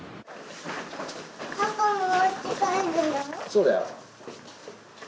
そうだよ。